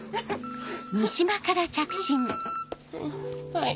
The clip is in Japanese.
はい。